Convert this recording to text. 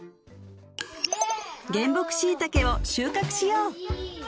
原木しいたけを収穫しよう